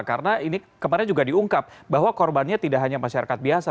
karena ini kemarin juga diungkap bahwa korbannya tidak hanya masyarakat biasa